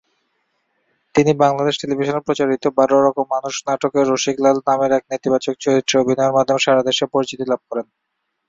তিনি বাংলাদেশ টেলিভিশনে প্রচারিত "বারো রকম মানুষ" নাটকে রসিক লাল নামের এক নেতিবাচক চরিত্রে অভিনয়ের মাধ্যমে সারাদেশে পরিচিতি লাভ করেন।